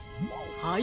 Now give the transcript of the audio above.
はい。